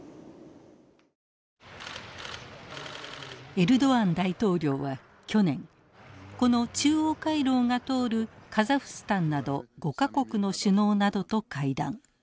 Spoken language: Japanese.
エルドアン大統領は去年この中央回廊が通るカザフスタンなど５か国の首脳などと会談。